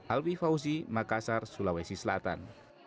alwi fauzi makassar sulawesi selatan